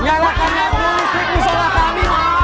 ngarepannya musik musola kami